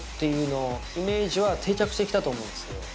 いうイメージは定着してきたと思うんですよ。